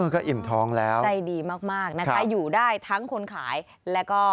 ก็อิ่มท้องแล้วใจดีมากนะคะอยู่ได้ทั้งคนขายแล้วก็